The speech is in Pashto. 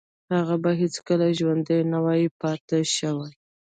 هغه به هیڅکله ژوندی نه و پاتې شوی